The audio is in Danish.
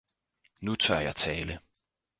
Nu tør jeg tale